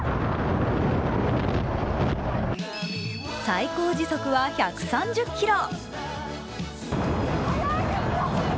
最高時速は１３０キロ。